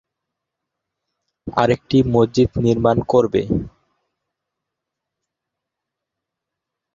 বরং তারা বলেছে যে আবু আমির এতে সেবার নেতৃত্ব না দেওয়া পর্যন্ত তারা আরেকটি মসজিদ নির্মাণ করবে।